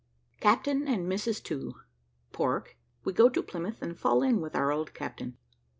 CAPTAIN AND MRS. TO PORK WE GO TO PLYMOUTH AND FALL IN WITH OUR OLD CAPTAIN.